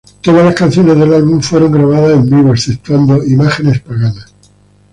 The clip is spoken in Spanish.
Todas las canciones de álbum fueron grabadas en vivo, exceptuando "Imágenes paganas".